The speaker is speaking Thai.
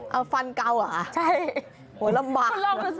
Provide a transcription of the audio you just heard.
เอาฟันเก่าเหรอ